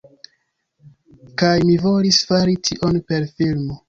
Kaj mi volis fari tion per filmo.